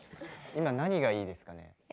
今何がいいですかね？